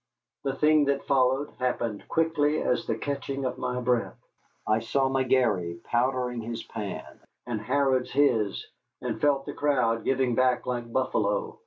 The thing that followed happened quickly as the catching of my breath. I saw McGary powdering his pan, and Harrod his, and felt the crowd giving back like buffalo.